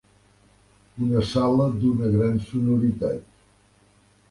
Una sala d'una gran sonoritat.